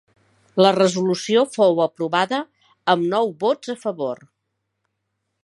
La resolució fou aprovada amb nou vots a favor.